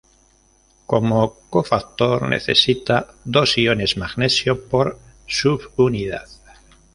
Como cofactor necesita dos iones magnesio por subunidad.